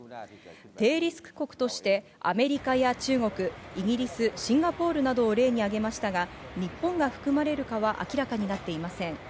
低リスク国としてアメリカや中国、イギリス、シンガポールなどを例に挙げましたが日本が含まれるかは明らかになっていません。